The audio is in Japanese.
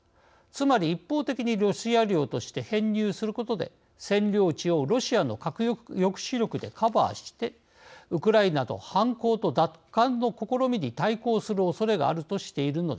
つまり一方的にロシア領として編入することで占領地をロシアの核抑止力でカバーしてウクライナの反攻と奪還の試みに対抗するおそれがあるとしているのです。